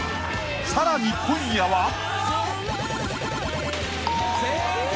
［さらに今夜は］